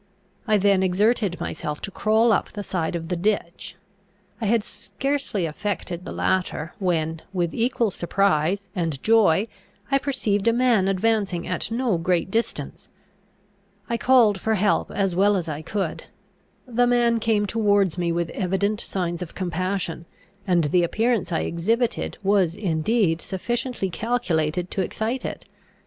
I then exerted myself to crawl up the side of the ditch. I had scarcely effected the latter, when, with equal surprise and joy, I perceived a man advancing at no great distance. I called for help as well as I could. The man came towards me with evident signs of compassion, and the appearance I exhibited was indeed sufficiently calculated to excite it.